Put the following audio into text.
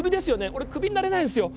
俺クビになれないんすよ。